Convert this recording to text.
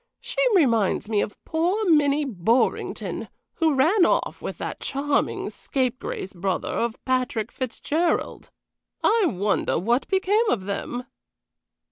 She reminds me of poor Minnie Borringdon, who ran off with that charming scapegrace brother of Patrick Fitzgerald. I wonder what became of them?"